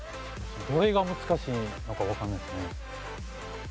どれが難しいのかわからないですね。